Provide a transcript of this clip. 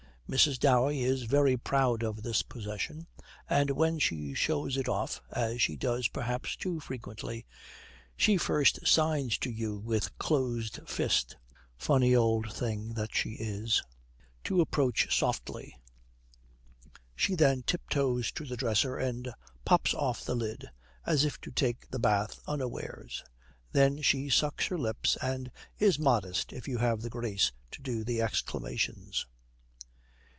Mrs. Dowey is very proud of this possession, and when she shows it off, as she does perhaps too frequently, she first signs to you with closed fist (funny old thing that she is) to approach softly. She then tiptoes to the dresser and pops off the lid, as if to take the bath unawares. Then she sucks her lips, and is modest if you have the grace to do the exclamations.